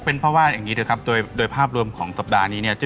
เป็นเพราะว่าอย่างนี้นะครับโดยภาพรวมของสัปดาห์นี้เนี่ย